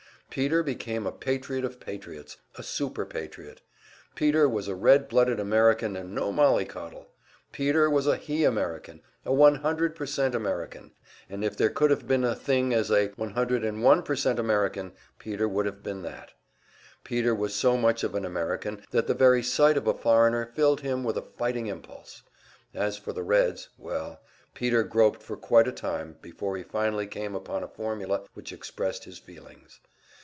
Peter became a patriot of patriots, a super patriot; Peter was a red blooded American and no mollycoddle; Peter was a "he American," a 100% American and if there could have been such a thing as a 101% American, Peter would have been that. Peter was so much of an American that the very sight of a foreigner filled him with a fighting impulse. As for the Reds well, Peter groped for quite a time before he finally came upon a formula which expressed his feelings.